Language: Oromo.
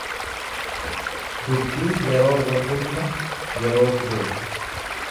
Dubbii yeroo warrurna yerootu beeka.